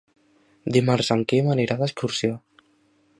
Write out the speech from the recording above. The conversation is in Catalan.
Dimarts en Quim anirà d'excursió.